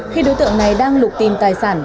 khi đối tượng này đang lục tìm tài sản